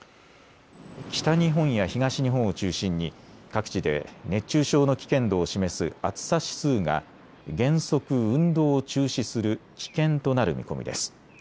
北日本や東日本を中心に各地で熱中症の危険度を示す暑さ指数が原則、運動を中止する危険となる見込みです。